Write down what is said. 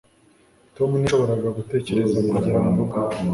tom ntiyashoboraga gutegereza kugera murugo